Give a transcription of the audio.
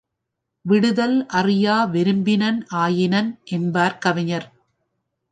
விடுதல் அறியா விருப்பினன் ஆயினன் என்பார் கவிஞர்.